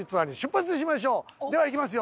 では行きますよ。